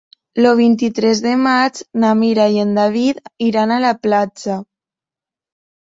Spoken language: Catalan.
El vint-i-tres de maig na Mira i en David iran a la platja.